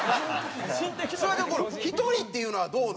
それとこの１人っていうのはどうなの？